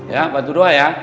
ya bantu doa ya